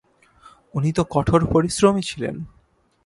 উনি তো কঠোর পরিশ্রমী ছিলেন।